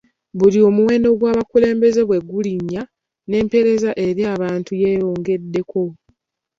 Buli omuwendo gw’abakulembeze bwe gulinnya n’empeereza eri abantu yeeyongeddeko.